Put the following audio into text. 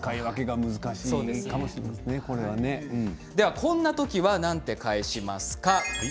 こんな時はなんて返しますか。